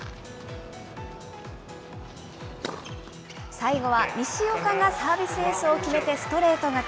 最後は西岡がサービスエースを決めてストレート勝ち。